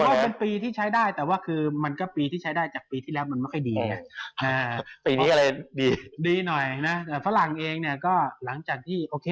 ถือว่าเป็นปีที่ใช้ได้แต่ว่ามันก็ปีที่ใช้ได้จากปีที่แล้วมันไม่ค่อยดีเนี่ย